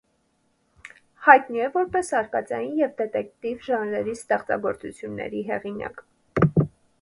Հայտնի է որպես արկածային և դետեկտիվ ժանրերի ստեղծագործությունների հեղինակ։